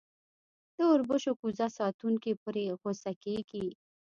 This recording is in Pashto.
د اوربشو کوزه ساتونکی پرې غصه کېږي.